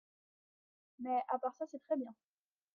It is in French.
Mais à part ça, c’est très bien.